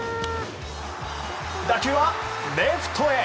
打球はレフトへ。